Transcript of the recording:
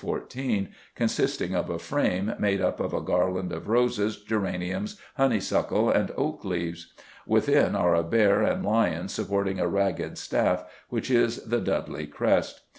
14), consisting of a frame made up of a garland of roses, geraniums, honeysuckle, and oak leaves. Within are a bear and lion supporting a ragged staff, which is the Dudley crest.